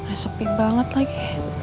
resepi banget lagi